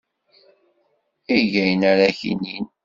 Eg ayen ara ak-inin.